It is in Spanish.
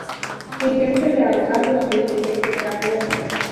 Ejerce de abogado desde que se graduó.